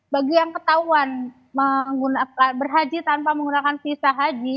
bagi yang ketahuan berhaji tanpa menggunakan visa haji